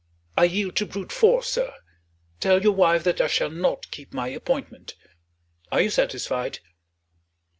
I yield to brute force, sir. Tell your wife that I shall not keep my appointment. Are you satisfied?"